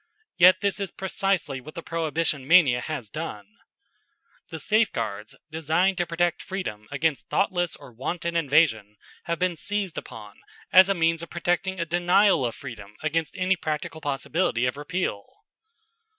Yet this is precisely what the Prohibition mania has done. The safeguards designed to protect freedom against thoughtless or wanton invasion have been seized upon as a means of protecting a denial of freedom against any practical possibility of repeal.